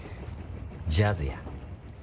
ジャズや。